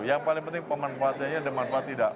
yang paling penting pemanfaatannya ada manfaat tidak